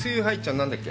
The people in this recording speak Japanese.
何だっけ？